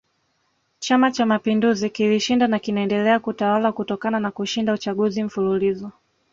Chama Cha Mapinduzi kilishinda na kinaendelea kutawala kutokana na kushinda chaguzi mfululizo